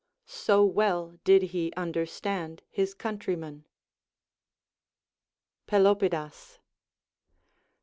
So well did he understand his countrymen. Pelopidas.